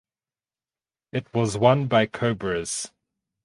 It was won by Cobras.